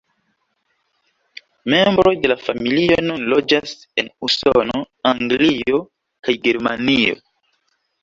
Membroj de la familio nun loĝas en Usono, Anglio kaj Germanio.